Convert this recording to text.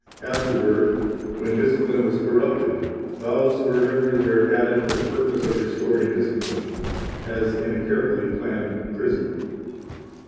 Afterward, when discipline was corrupted, vows were everywhere added for the purpose of restoring discipline, as in a carefully planned prison.